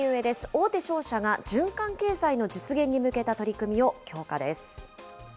大手商社が循環経済の実現に向けた取り組みを強化です。